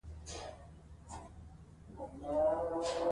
بې واره، وارختا= بې صبره، ناقراره. اڅک ډېر بې واره دی.